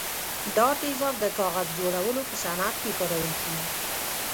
دا تیزاب د کاغذ جوړولو په صنعت کې کارول کیږي.